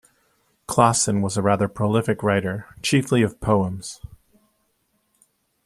Klassen was a rather prolific writer, chiefly of poems.